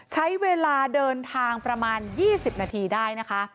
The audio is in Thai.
ใช้เวลาเดินทางประมาณ๒๐นาทีได้นะคะ